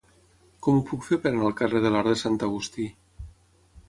Com ho puc fer per anar al carrer de l'Arc de Sant Agustí?